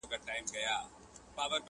o مساپري بده بلا ده!